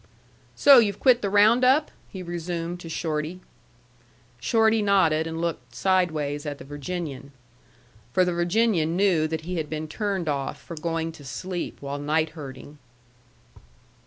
"So you've quit the round up?" he resumed to Shorty. Shorty nodded and looked sidewise at the Virginian. For the Virginian knew that he had been turned off for going to sleep while night herding.